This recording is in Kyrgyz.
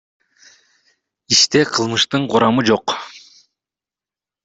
Иште кылмыштын курамы жок.